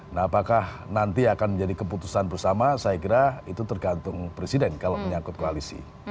nah apakah nanti akan menjadi keputusan bersama saya kira itu tergantung presiden kalau menyangkut koalisi